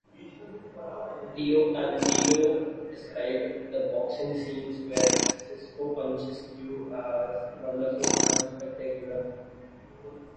DeCandido described the boxing scene where Sisko punches Q as "wonderful" and "spectacular".